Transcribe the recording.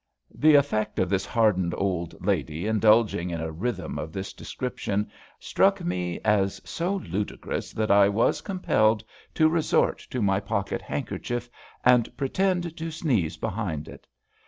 The effect of this hardened old lady indulging in a rhythm of this description struck me as so ludicrous that I was compelled to resort to my pocket handkerchief and pretend to sneeze behind it.